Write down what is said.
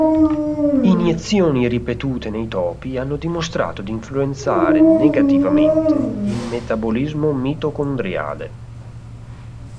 Iniezioni ripetute nei topi hanno dimostrato di influenzare negativamente il metabolismo mitocondriale.